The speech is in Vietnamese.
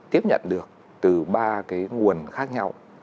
tiếp nhận được từ ba cái nguồn khác nhau